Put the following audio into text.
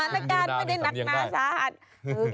สถานการณ์ไม่ได้หนักนานชาหะ